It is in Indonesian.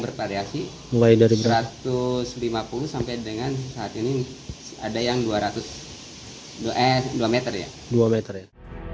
bervariasi mulai dari satu ratus lima puluh sampai dengan saat ini ada yang dua ratus dua meter ya dua meter ya